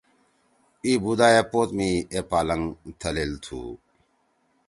ای بودا اے پوت می اے پالنگ تھلیل تُھو۔